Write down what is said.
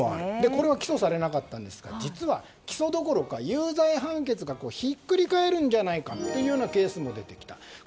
これは起訴されなかったんですが実は、起訴どころか有罪判決がひっくり返るんじゃないかというケースも出てきた。